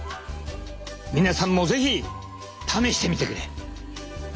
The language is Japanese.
皆さんも是非試してみてくれ。